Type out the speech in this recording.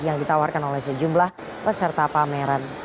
yang ditawarkan oleh sejumlah peserta pameran